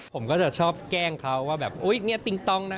ผมก็จะชอบแกล้งเขาว่าแบบอุ๊ยเนี่ยติ๊งต้องนะ